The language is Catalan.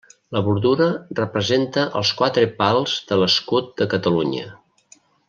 La bordura representa els quatre pals de l'escut de Catalunya.